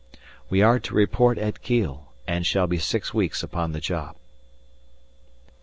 We are to report at Kiel, and shall be six weeks upon the job.